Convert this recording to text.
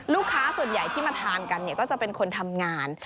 ลูกค้าส่วนใหญ่ที่มาทานกันก็จะเป็นคนทำงาน